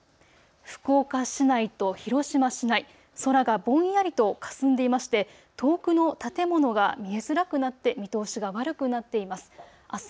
福岡市内と広島市内、空がぼんやりととかすんでいまして遠くの建物が見えづらくなって見通しが悪くなっています。